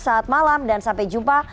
saat malam dan sampai jumpa